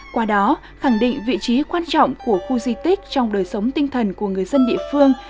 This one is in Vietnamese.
qua đó khẳng định vị trí quan trọng của khu di tích trong đời sống tinh thần của người dân địa phương